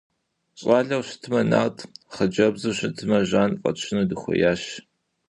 Щӏалэу щытмэ Нарт, хъыджэбзу щытмэ Жан фӏэтщыну дыхуеящ.